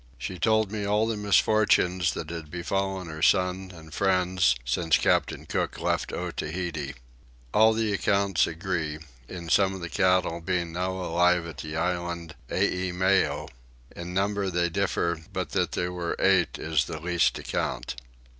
She told me all the misfortunes that had befallen her son and friends since Captain Cook left Otaheite. All the accounts agree in some of the cattle being now alive at the island Eimeo: in the number they differ but that there were eight is the least account.